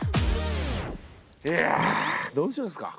いやぁどうしますか？